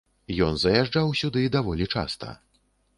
Ён заязджаў сюды даволі часта.